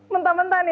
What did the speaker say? mentah mentah nih ya